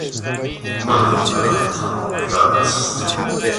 او یک ابله تمام عیار است.